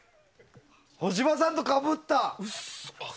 干場さんとかぶった。